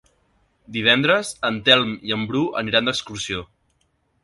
Divendres en Telm i en Bru aniran d'excursió.